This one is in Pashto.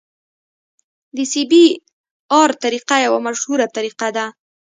د سی بي ار طریقه یوه مشهوره طریقه ده